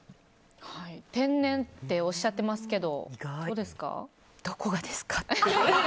天然っておっしゃってますけどどこがですか？